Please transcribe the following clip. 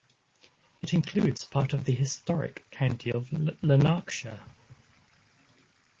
It includes part of the historic county of Lanarkshire.